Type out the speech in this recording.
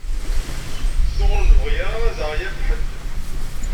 Tuɣ ur nebɣi ara ad ɣ-yaf ḥedd.